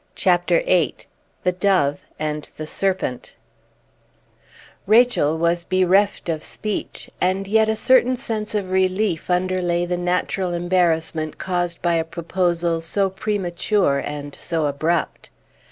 CHAPTER VIII THE DOVE AND THE SERPENT Rachel was bereft of speech; and yet a certain sense of relief underlay the natural embarrassment caused by a proposal so premature and so abrupt.